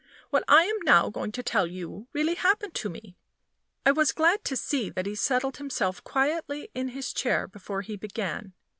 What I am now going to tell you really happened to me." I was glad to see that he settled himself quietly in his chair before he began.